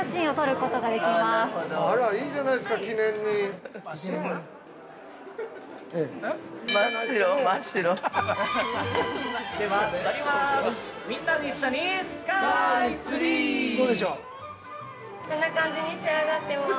◆こんな感じに仕上がってます。